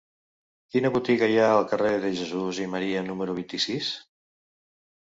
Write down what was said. Quina botiga hi ha al carrer de Jesús i Maria número vint-i-sis?